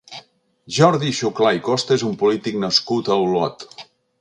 Jordi Xuclà i Costa és un polític nascut a Olot.